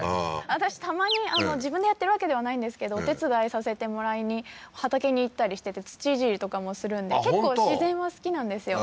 私たまに自分でやってるわけではないんですけどお手伝いさせてもらいに畑に行ったりしてて土いじりとかもするんで結構自然は好きなんですよ